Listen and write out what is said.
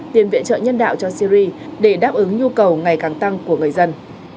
tiền viện trợ nhân đạo cho syri để đáp ứng nhu cầu ngày càng tăng của người dân